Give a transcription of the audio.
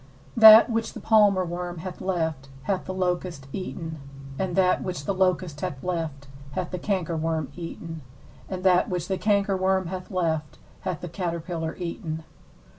4That which the palmerworm hath left hath the locust eaten; and that which the locust hath left hath the cankerworm eaten; and that which the cankerworm hath left hath the caterpiller eaten.